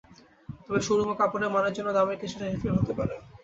তবে শোরুম ও কাপড়ের মানের জন্য দামের কিছুটা হেরফের হতে পারে।